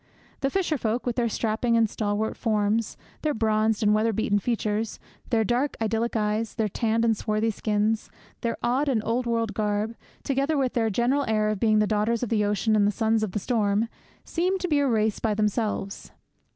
The fisherfolk, with their strapping and stalwart forms, their bronzed and weather beaten features, their dark, idyllic eyes, their tanned and swarthy skins, their odd and old world garb, together with their general air of being the daughters of the ocean and the sons of the storm, seem to be a race by themselves.